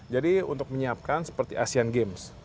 jadi untuk menyiapkan seperti asean games